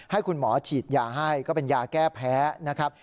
ให้คุณหมอฉีดยาให้ก็เป็นยาแก้แพ้นะครับ